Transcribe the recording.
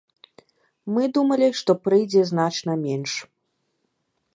Мы думалі, што прыйдзе значна менш.